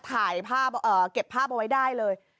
ถ่ายภาพเก็บภาพเอาไว้ได้เลย